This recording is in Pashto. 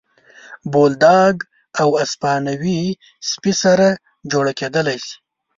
بولداګ او اسپانیول سپي سره جوړه کېدلی شي.